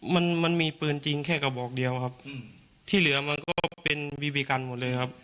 มันมันมีปืนจริงแค่กระบอกเดียวครับที่เหลือมันก็เป็นบีบีกันหมดเลยครับ